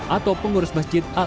atau pengurus sepeda motor